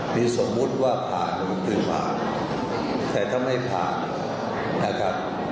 นี่สมมุติว่าผ่านก็คือผ่านแต่ถ้าไม่ผ่านนะครับ